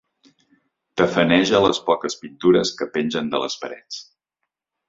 Tafaneja les poques pintures que pengen de les parets.